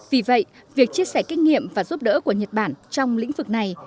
vì vậy việc chia sẻ kinh nghiệm và giúp đỡ của nhật bản trong lĩnh vực này